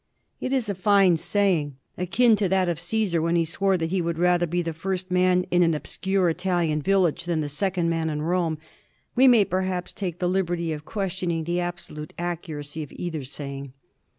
It is a fine saying, akin to that of C»sar when he swore that he would rather be the first man in an obscure Italian village than the second man in Rome. We may perhaps take the liberty of questioning the abso lute accuracy of either saying.